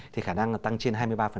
thì khả năng tăng trên hai mươi ba